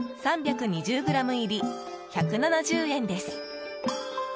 ３２０ｇ入り、１７０円です。